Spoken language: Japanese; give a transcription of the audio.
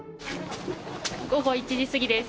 午後１時過ぎです。